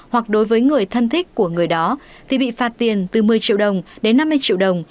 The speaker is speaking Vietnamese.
hoặc đối với người thân thích của người đó thì bị phạt tiền từ một mươi triệu đồng đến năm mươi triệu đồng